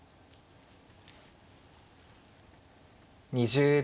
２０秒。